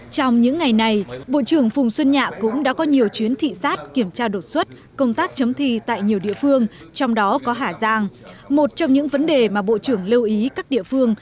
trong những ngày này bộ trưởng phùng xuân nhạ cũng đã có nhiều chuyến thị sát kiểm tra đột xuất công tác chấm thi tại nhiều địa phương trong đó có hà giang một trong những vấn đề mà bộ trưởng lưu ý các địa phương